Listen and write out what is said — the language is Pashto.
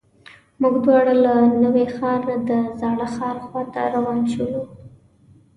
موږ دواړه له نوي ښار نه د زاړه ښار خواته روان شولو.